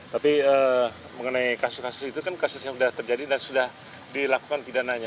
tapi mengenai kasus kasus itu kan kasus yang sudah terjadi dan sudah dilakukan pidananya